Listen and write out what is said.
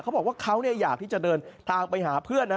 เขาบอกว่าเขาอยากที่จะเดินทางไปหาเพื่อนนะ